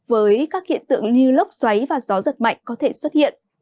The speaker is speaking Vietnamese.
với các hiện tượng như lốc xoáy và gió giật mạnh có thể xuất hiện